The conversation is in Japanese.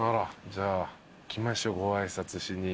じゃあ行きましょうご挨拶しに。